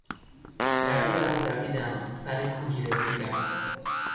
دویدم و دویدم سرکوهی رسیدم....